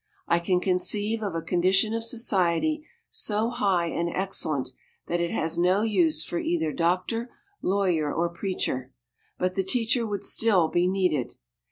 I can conceive of a condition of society so high and excellent that it has no use for either doctor, lawyer or preacher, but the teacher would still be needed.